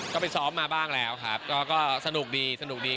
ก็ไปซ้อมมาบ้างแล้วครับก็สนุกดีสนุกดี